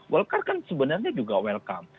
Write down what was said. golkar kan sebenarnya juga welcome